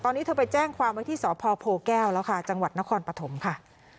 ตอนนี้เธอไปแจ้งความไว้ที่สพโพแก้วแล้วค่ะจังหวัดนครปฐมค่ะ